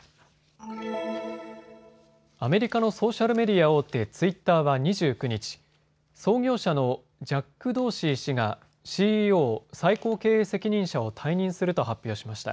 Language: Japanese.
アメリカのソーシャルメディア大手、ツイッターは２９日、創業者のジャック・ドーシー氏がＣＥＯ・最高経営責任者を退任すると発表しました。